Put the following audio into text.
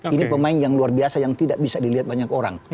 ini pemain yang luar biasa yang tidak bisa dilihat banyak orang